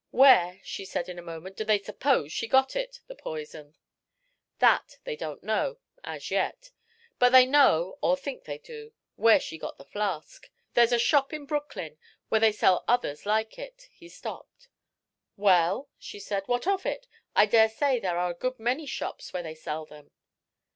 "Where," she said, in a moment, "do they suppose she got it the poison?" "That they don't know as yet; but they know or they think they do where she got the flask. There's a shop in Brooklyn where they sell others like it" he stopped. "Well," she said, "what of it? I daresay there are a good many shops where they sell them."